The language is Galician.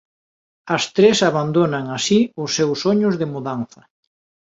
As tres abandonan así os seus soños de mudanza.